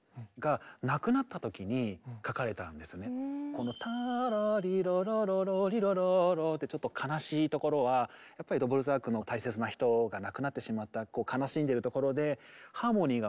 このタラリララララリラララってちょっと悲しいところはやっぱりドボルザークの大切な人が亡くなってしまった悲しんでるところでハーモニーが